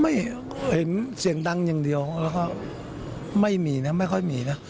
ไม่เห็นเสียงดังอย่างเดียวแล้วก็ไม่มีนะไม่ค่อยมีนะ